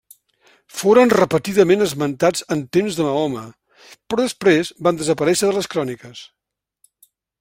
Foren repetidament esmentats en temps de Mahoma però després van desaparèixer de les cròniques.